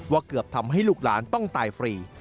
เกือบทำให้ลูกหลานต้องตายฟรี